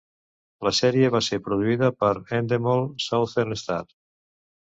La sèrie va ser produïda per Endemol Southern Star.